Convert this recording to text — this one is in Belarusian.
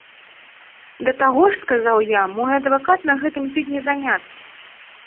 Да таго ж, сказаў я, мой адвакат на гэтым тыдні заняты.